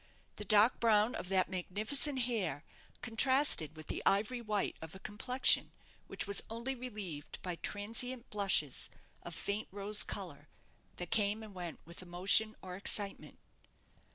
The dark brown of that magnificent hair contrasted with the ivory white of a complexion which was only relieved by transient blushes of faint rose colour, that came and went with emotion or excitement.